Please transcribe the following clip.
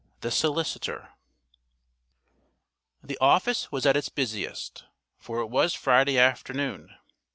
THE SOLICITOR The office was at its busiest, for it was Friday afternoon.